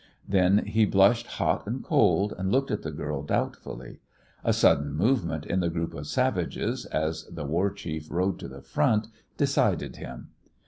Then he blushed hot and cold, and looked at the girl doubtfully. A sudden movement in the group of savages, as the war chief rode to the front, decided him.